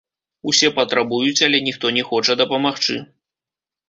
Усе патрабуюць, але ніхто не хоча дапамагчы.